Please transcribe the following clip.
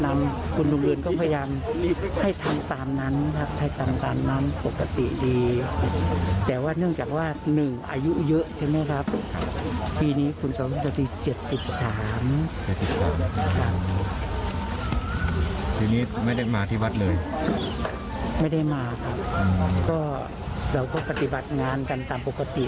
ไม่ได้มาครับก็เราก็ปฏิบัติงานกันตามปกติ